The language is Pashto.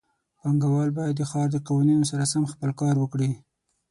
پانګهوال باید د ښار د قوانینو سره سم خپل کار وکړي.